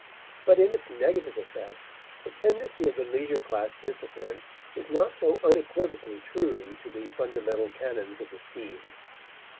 But in its negative effects the tendency of the leisure class discipline is not so unequivocally true to the fundamental canons of the scheme.